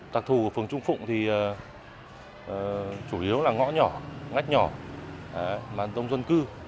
tạc thù của phường trung phụng chủ yếu là ngõ nhỏ ngách nhỏ đông dân cư